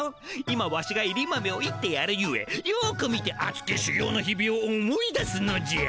今ワシがいり豆をいってやるゆえよく見てあつきしゅ業の日々を思い出すのじゃ。